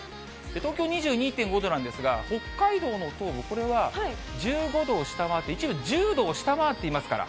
東京、２２．５度なんですが、北海道の東部、これは１５度を下回って、一部、１０度を下回っていますから。